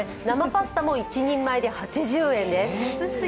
生パスタも１人前で８０円です。